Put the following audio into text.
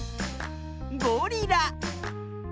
ゴリラ。